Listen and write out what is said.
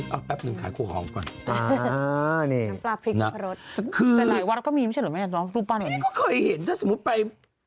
ก็เคยเห็นถ้าเฉพาะไป